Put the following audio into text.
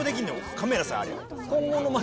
カメラさえありゃ。